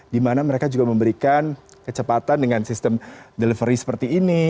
dimana mereka juga memberikan kecepatan dengan sistem delivery seperti ini